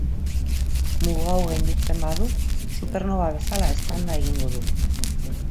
Muga hau gainditzen badu, supernoba bezala eztanda egingo du.